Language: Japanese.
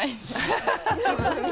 ハハハ